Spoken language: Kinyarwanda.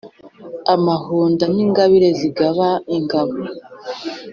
amahunda n' ingabire zigaba ingabo;